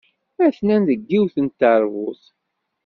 Atnan deg yiwet n teṛbut.